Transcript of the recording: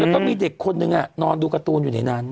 แล้วก็มีเด็กคนนึงนอนดูการ์ตูนอยู่ในนั้น